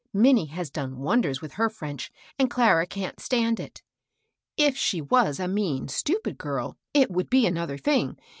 Minnie has done wonders with her French, and Clara can't stand it. If she was a mean, stupid girl, it would be another thing.